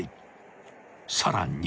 ［さらに］